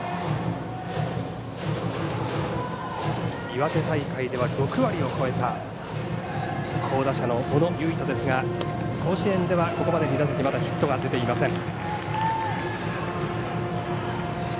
岩手大会では６割を超えた好打者の小野唯斗ですが甲子園ではここまで２打席まだヒットが出ていません。